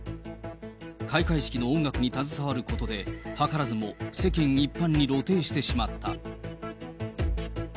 開会式の音楽に携わることで、はからずも世間一般に露呈してしまった。